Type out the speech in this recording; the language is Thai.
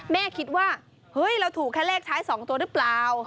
แม่คิดว่าเฮ้ยเราถูกแค่เลขท้าย๒ตัวหรือเปล่า